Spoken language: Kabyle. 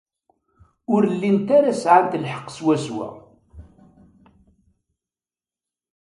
Ur llint ara sɛant lḥeqq swaswa.